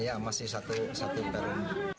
ya masih satu darun